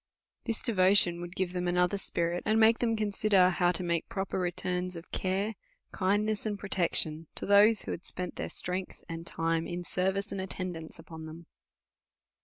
This devotion would give them another spirit, and make them consider how to make proper returns of care, kindness, and protection to those, who had spent their strength and time in service and at tendance u})on them.